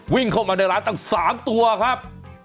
วิ่งเข้ามาในร้านตั้ง๓ตัวครับ